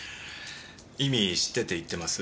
意味知ってて言ってます？